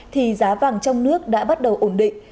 thì giá vàng trong nước đã bắt đầu ổn định